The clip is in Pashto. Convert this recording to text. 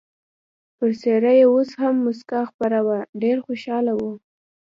پر څېره یې اوس هم مسکا خپره وه، ډېر خوشحاله و.